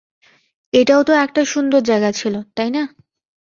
এটাও তো একটা সুন্দর জায়গা ছিলো, তাই না?